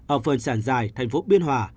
ở phần sàn dài thành phố biên hòa